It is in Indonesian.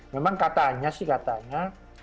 memang katanya sih katanya